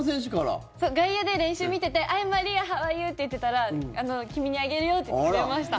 外野で練習見ててアイム・マリアハウ・アー・ユーって言ってたら君にあげるよって言ってくれました。